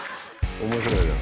面白いな。